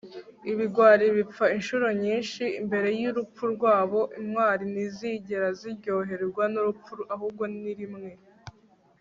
ibigwari bipfa inshuro nyinshi mbere y'urupfu rwabo; intwari ntizigera ziryoherwa n'urupfu ahubwo ni rimwe